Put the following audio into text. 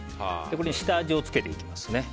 これに下味をつけていきます。